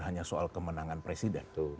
hanya soal kemenangan presiden